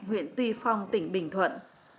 nguyện tuy phong tỉnh bình thuận